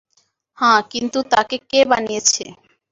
হ্যাঁ, কিন্তু তাকে কে বানিয়েছে?